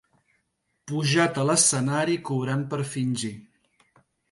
Pujat a l'escenari cobrant per fingir.